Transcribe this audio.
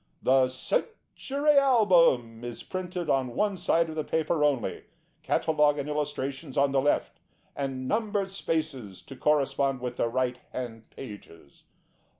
The Century Album is printed on one side of the paper only, catalogue and illustrations on the left, and numbered spaces to correspond on the right hand pages.